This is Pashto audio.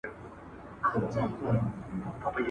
که انلاین لارښوونه وي نو خنډ نه پیدا کیږي.